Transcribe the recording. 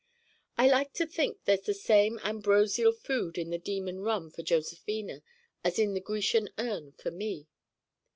I like to think there's the same ambrosial food in the Demon Rum for Josephina as in the Grecian Urn for me.